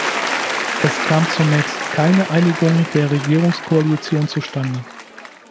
Es kam zunächst keine Einigung der Regierungskoalition zustande.